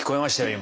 今。